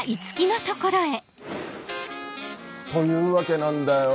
えというわけなんだよ。